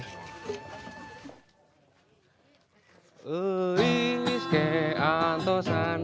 smellein pengarmel di debattein yang kita camin